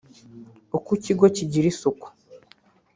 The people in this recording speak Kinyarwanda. uko ikigo kigira isuku